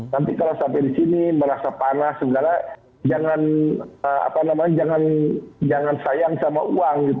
nanti kalau sampai di sini merasa panas sebenarnya jangan sayang sama uang